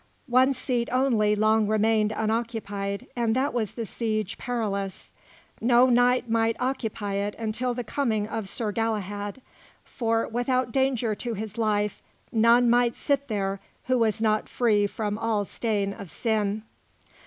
One seat only long remained unoccupied, and that was the Siege Perilous. No knight might occupy it until the coming of Sir Galahad; for, without danger to his life, none might sit there who was not free from all stain of sin.